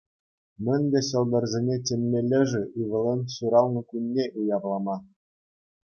Мӗнле ҫӑлтӑрсене чӗнмелле-ши ывӑлӗн ҫуралнӑ кунне уявлама?